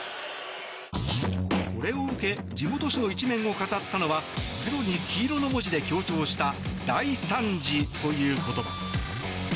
これを受け地元紙の１面を飾ったのは黒に黄色の文字で強調した「大惨事」という言葉。